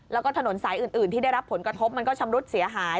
แล้วก็ถนนสายอื่นที่ได้รับผลกระทบมันก็ชำรุดเสียหาย